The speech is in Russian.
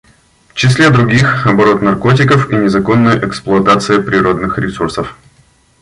В числе других — оборот наркотиков и незаконная эксплуатация природных ресурсов.